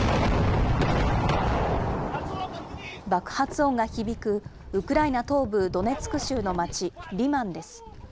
爆発音が響く、ウクライナ東部ドネツク州の町リマンです。